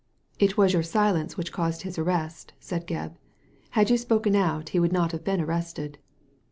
"It was your silence which caused his arrest," said Gebb. " Had you spoken out, he would not have been arrested."